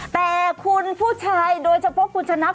แต่คุณผู้ชายโดยเฉพาะคุณชนะ